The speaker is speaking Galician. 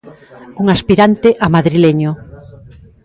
Un aspirante a madrileño.